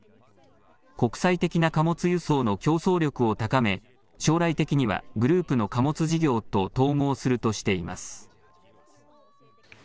国際的な貨物輸送の競争力を高め、将来的にはグループの貨物事業と統合するとしています。